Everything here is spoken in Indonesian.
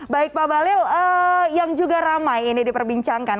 baik pak bahlil yang juga ramai ini diperbincangkan